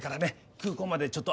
空港までちょっと。